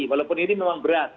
walaupun ini memang berat